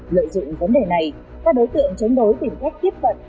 lợi dụng vấn đề này các đối tượng chống đối tìm cách tiếp cận